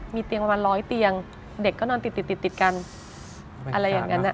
มีเตียงประมาณ๑๐๐เตียงเด็กก็นอนติดกันอะไรอย่างนั้น